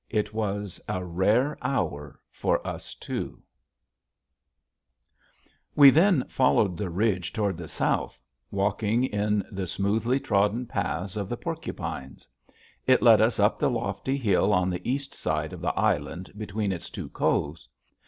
It was a rare hour for us two. [Illustration: RAIN TORRENTS] We then followed the ridge toward the south walking in the smoothly trodden paths of the porcupines. It led us up the lofty hill on the east side of the island between its two coves.